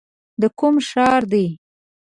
دا کوم ښار دی؟